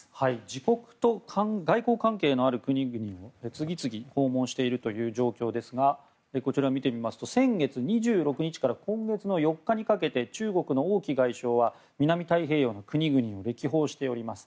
自国と外交関係がある国々を次々に訪問している状況ですが先月２６日から今月の４日にかけて中国の王毅外相は南太平洋に国々を歴訪しています。